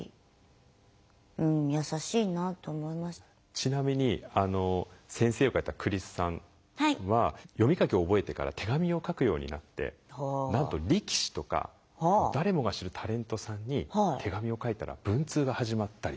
ちなみにあの「先生」を書いた栗栖さんは読み書きを覚えてから手紙を書くようになってなんと力士とか誰もが知るタレントさんに手紙を書いたら文通が始まったり。